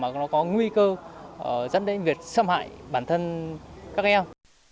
mà nó có nguy cơ dẫn đến việc xâm hại bản thân các em